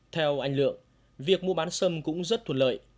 theo anh lượng việc mua bán sâm cũng rất thuận lợi